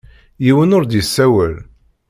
Yiwen ur d-yessawel.